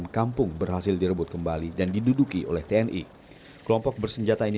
kami ditolong senjata api